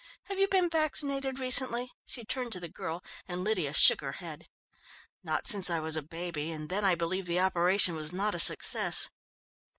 Have you been vaccinated recently?" she turned to the girl, and Lydia shook her head. "Not since I was a baby and then I believe the operation was not a success."